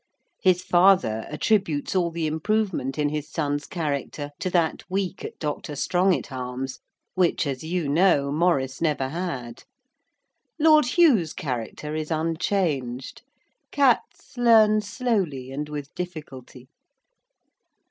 His father attributes all the improvement in his son's character to that week at Dr. Strongitharm's which, as you know, Maurice never had. Lord Hugh's character is unchanged. Cats learn slowly and with difficulty.